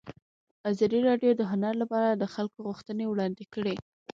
ازادي راډیو د هنر لپاره د خلکو غوښتنې وړاندې کړي.